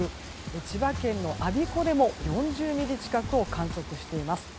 千葉県の我孫子でも４０ミリ近くを観測しています。